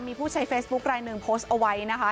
มีผู้ใช้เฟซบุ๊คลายหนึ่งโพสต์เอาไว้นะคะ